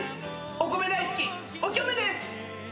お米大好きおきょめです！